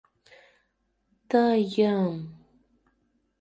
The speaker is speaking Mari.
«Ты-йы-ым...»